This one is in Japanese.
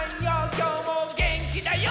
きょうもげんきだＹＯ！」